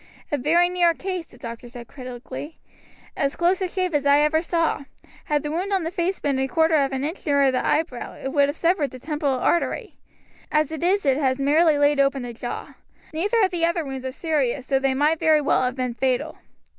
"A very near case," the doctor said critically; "as close a shave as ever I saw. Had the wound on the face been a quarter of an inch nearer the eyebrow it would have severed the temporal artery. As it is it has merely laid open the jaw. Neither of the other wounds are serious, though they might very well have been fatal."